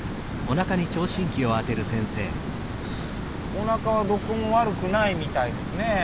おなかはどこもわるくないみたいですねぇ。